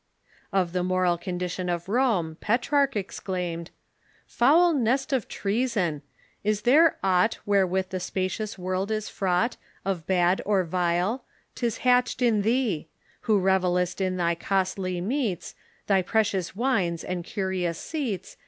Of the moral condition of Rome, Petrarch exclaimed :" Foul nest of treason ! Is there aught Wherewith the spacious world is fraught Of bad or vile — 'tis hatched in thee ; Who revellest in thy costly meats, Thy precious wines and curious seats.